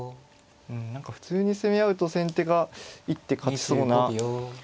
うん何か普通に攻め合うと先手が一手勝ちそうなイメージなので。